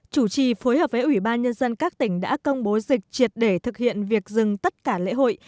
chủ trì phối hợp với ủy ban nhân dân các tỉnh đã công bố dịch triệt để thực hiện việc dừng tất cả lễ hội